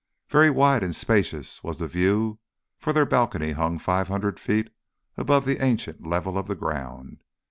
Very wide and spacious was the view, for their balcony hung five hundred feet above the ancient level of the ground.